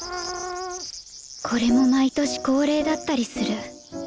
これも毎年恒例だったりする。